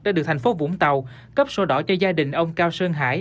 đã được thành phố vũng tàu cấp sổ đỏ cho gia đình ông cao sơn hải